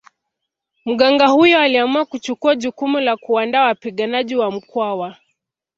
Mganga huyo aliamua kuchukua jukumu la kuwaandaa wapiganaji wa Mkwawa